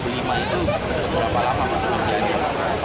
lima itu berapa lama